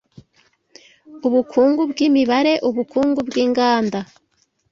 ubukungu bw’imibare ubukungu bw’inganda